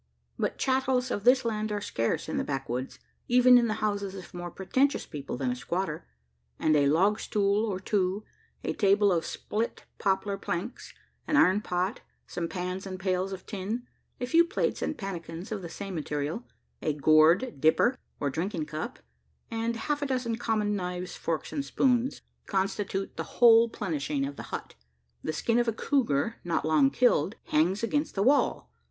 But chattels of this land are scarce in the backwoods even in the houses of more pretentious people than a squatter; and a log stool or two, a table of split poplar planks, an iron pot, some pans and pails of tin, a few plates and pannikins of the same material, a gourd "dipper" or drinking cup, and half a dozen common knives, forks, and spoons, constitute the whole "plenishing" of the hut. The skin of a cougar, not long killed, hangs against the wall.